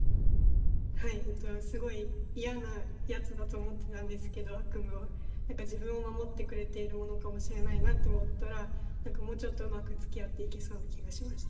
はいすごい嫌なやつだと思ってたんですけど悪夢は何か自分を守ってくれているものかもしれないなと思ったら何かもうちょっとうまくつきあっていけそうな気がしました。